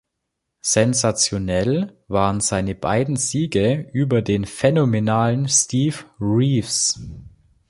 Sensationell waren seine beiden Siege über den phänomenalen Steve Reeves.